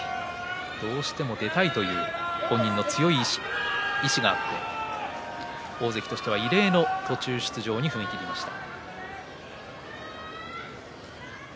どうしても出たいという本人の強い意志があって大関としては異例の途中出場に踏み切りました。